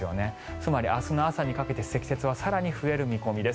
つまり明日の朝にかけて積雪は更に増える見込みです。